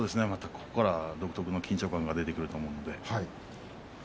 ここからは独特の緊張感が出てくると思うので。